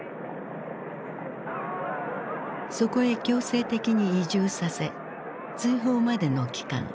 そこへ強制的に移住させ追放までの期間